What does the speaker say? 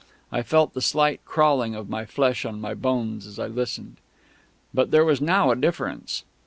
I felt the slight crawling of my flesh on my bones as I listened. But there was now a difference.